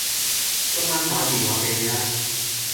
今晚打電話畀你吖